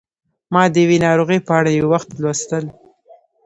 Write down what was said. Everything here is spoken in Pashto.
ما د یوې ناروغۍ په اړه یو وخت لوستل